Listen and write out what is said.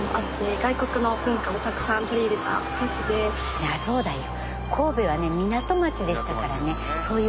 いやあそうだよ。